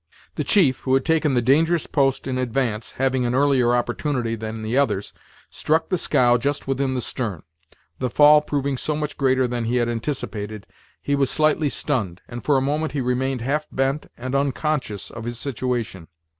The chief, who had taken the dangerous post in advance, having an earlier opportunity than the others, struck the scow just within the stern. The fall proving so much greater than he had anticipated, he was slightly stunned, and for a moment he remained half bent and unconscious of his situation.